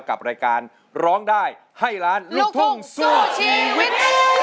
กับรายการร้องได้ให้ล้านลูกทุ่งสู้ชีวิต